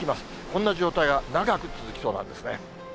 こんな状態が長く続きそうなんですね。